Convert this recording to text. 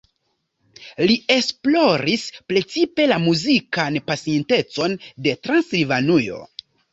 Li esploris precipe la muzikan pasintecon de Transilvanujo.